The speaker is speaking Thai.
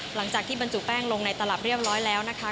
หลังจากที่บรรจุแป้งลงในตลับเรียบร้อยแล้วนะคะ